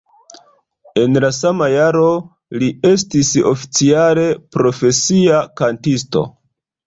En la sama jaro li estis oficiale profesia kantisto.